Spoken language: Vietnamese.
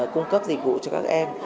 cung cấp dịch vụ cho các em